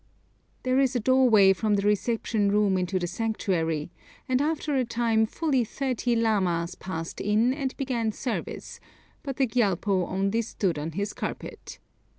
There is a doorway from the reception room into the sanctuary, and after a time fully thirty lamas passed in and began service, but the Gyalpo only stood on his carpet.